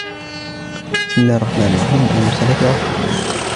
بِسْمِ اللَّهِ الرَّحْمَنِ الرَّحِيمِ وَالْمُرْسَلَاتِ عُرْفًا